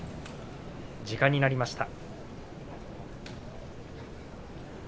時間になりました。